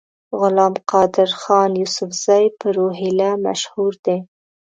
غلام قادرخان یوسفزي په روهیله مشهور دی.